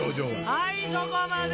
はいそこまで！